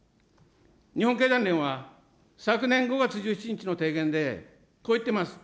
日本経団連は昨年５月１７日の提言で、こう言ってます。